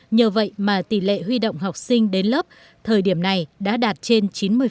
nhờ vậy mà tỷ lệ huy động học sinh đến lớp thời điểm này đã đạt trên chín mươi